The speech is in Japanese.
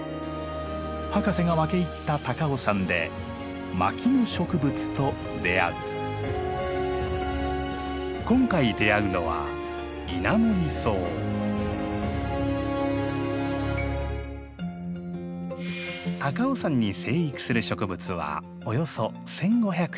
博士が分け入った高尾山で今回出会うのは高尾山に生育する植物はおよそ１，５００種類。